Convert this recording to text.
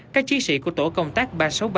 các chiến sĩ của tổ công tác ba trăm sáu mươi ba